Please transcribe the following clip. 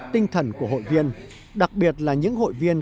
tinh thần của hội viên đặc biệt là những hội viên